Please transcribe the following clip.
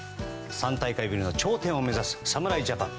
３大会ぶりの頂点を目指す侍ジャパン。